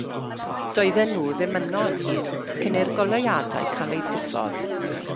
Doedden nhw ddim yno yn hir cyn i'r goleuadau gael eu diffodd.